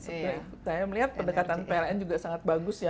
saya melihat pendekatan pln juga sangat bagus ya